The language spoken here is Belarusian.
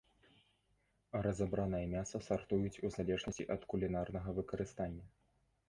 Разабранае мяса сартуюць у залежнасці ад кулінарнага выкарыстання.